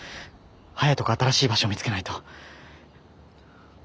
早いとこ新しい場所を見つけないと。